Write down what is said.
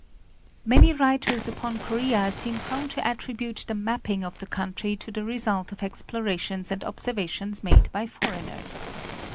234 National Geographic Magazine. Many writers upon Korea seem prone to attribute the mapping of the country to the result of explorations and observations made by foreigners.